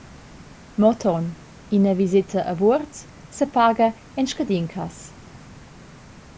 Mo ton: Ina viseta a Vuorz sepaga en scadin cass.